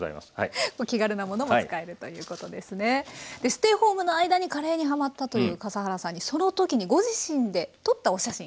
ステイホームの間にカレーにハマったという笠原さんにその時にご自身で撮ったお写真